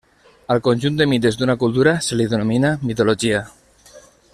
Al conjunt dels mites d'una cultura se li denomina mitologia.